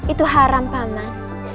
itu haram paman